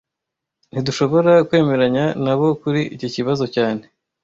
Ntidushobora kwemeranya nabo kuri iki kibazo cyane